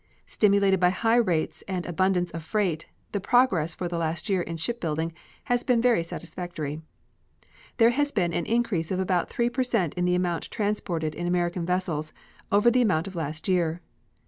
Stimulated by high rates and abundance of freight, the progress for the last year in shipbuilding has been very satisfactory. There has been an increase of about 3 per cent in the amount transported in American vessels over the amount of last year.